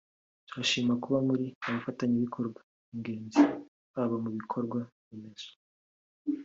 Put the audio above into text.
turashima kuba muri abafatanyabikorwa b’ingenzi haba mu bikorwaremezo